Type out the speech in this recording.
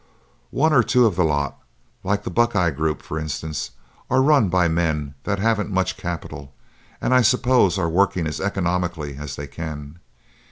One or two of the lot, like the Buckeye group, for instance, are run by men that haven't much capital, and I suppose are working as economically as they can.